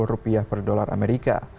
rupiah per dolar amerika